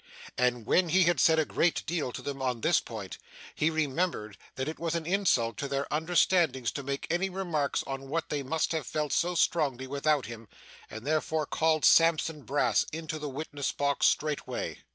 And when he had said a great deal to them on this point, he remembered that it was an insult to their understandings to make any remarks on what they must have felt so strongly without him, and therefore called Sampson Brass into the witness box, straightway.